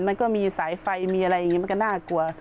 มันก็มีสายไฟมีอะไรอย่างนี้มันก็น่ากลัว